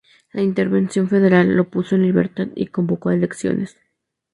La Intervención Federal lo puso en libertad y convocó a elecciones.